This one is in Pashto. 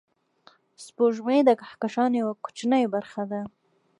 سپوږمۍ د کهکشان یوه کوچنۍ برخه ده